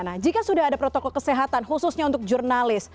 nah jika sudah ada protokol kesehatan khususnya untuk jurnalis